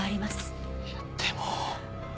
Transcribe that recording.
いやでも。